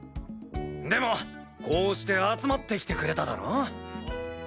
でもこうして集まってきてくれただろ？